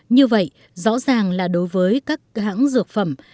như vậy rõ ràng là đối với các hãng dược phẩm